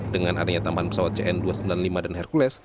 dengan adanya tambahan pesawat cn dua ratus sembilan puluh lima dan hercules